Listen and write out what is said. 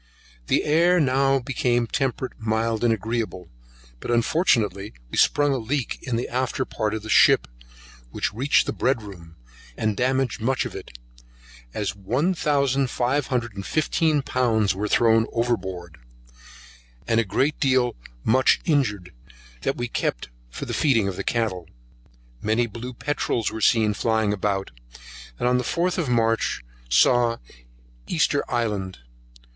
The air became now temperate, mild, and agreeable; but unfortunately we sprung a leak in the after part of the ship, which reached the bread room, and damaged much of it, as one thousand five hundred and fifteen pounds were thrown over board, and a great deal much injured, that we kept for feeding the cattle. Many blue Peterals were seen flying about, and on the 4th of March saw Easter Island.